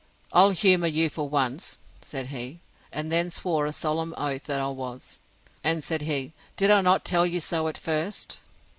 I'll humour you for once, said he; and then swore a solemn oath that I was. And, said he, did I not tell you so at first?